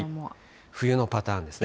冬のパターンですね。